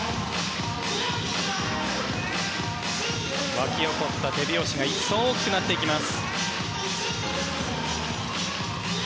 沸き起こった手拍子が一層大きくなっていきます。